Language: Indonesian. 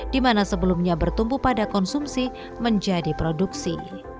di mana sebelumnya bertumbuh pada konsumsi menjadi produksi